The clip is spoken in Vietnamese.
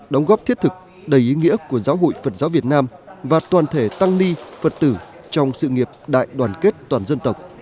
đóng góp thiết thực đầy ý nghĩa của giáo hội phật giáo việt nam và toàn thể tăng ni phật tử trong sự nghiệp đại đoàn kết toàn dân tộc